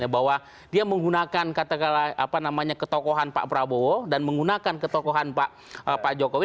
bahwa dia menggunakan kata kata ketokohan pak prabowo dan menggunakan ketokohan pak jokowi